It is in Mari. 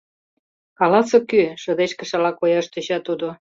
Каласе, кӧ? — шыдешкышыла кояш тӧча тудо.